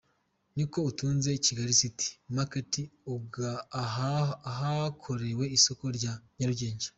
Niyo itunze Kigali City Market ahakorera isoko rya Nyarugenge.